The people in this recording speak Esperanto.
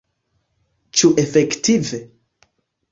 Ĉu efektive?